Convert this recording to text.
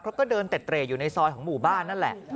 ก็เดินเต็ดเตร่อยู่ในซอยของหมู่บ้านนั่นแหละ